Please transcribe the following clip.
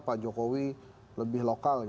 pak jokowi lebih lokal